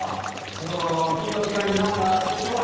その金髪以外になんか特徴は？